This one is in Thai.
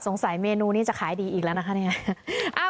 เมนูนี้จะขายดีอีกแล้วนะคะเนี่ย